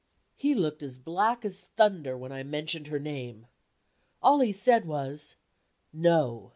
He looked as black as thunder when I mentioned her name. All he said was, "No!"